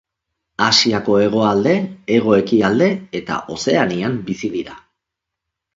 Asiako hegoalde, hego-ekialde eta Ozeanian bizi dira.